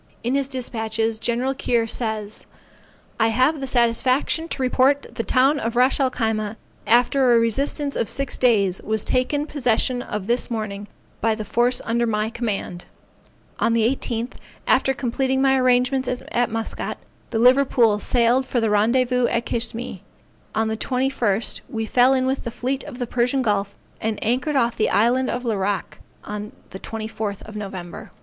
In his despatches Gen. Keir says I have the satisfaction to report the town of Ras el Khyma, after a resistance of six days, was taken possession of this morning by the force under my command. On the 18th, after completing my arrangements at Muscat, the Liverpool sailed for the rendezvous at Kishme; on the 21st, we fell in with the fleet of the Persian Gulf and anchored off the island of Larrack on the 24th November.